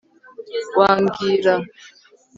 Wambwira